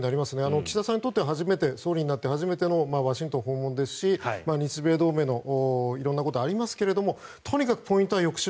岸田さんにとっては総理になって初めてのワシントン訪問ですし日米同盟の色んなことがありますがとにかくポイントは抑止力。